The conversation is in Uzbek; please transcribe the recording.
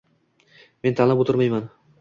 Men tanlab o`tirmayman